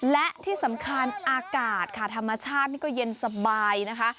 และที่สำคัญอากาศค่ะธรรมชาตินี่ก็เย็นสบายนะคะ